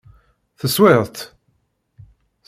Teswiḍ-t?